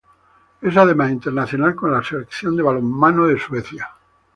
Es además internacional con la Selección de balonmano de Suecia.